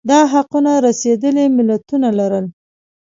دا حقونه رسېدلي ملتونه لرل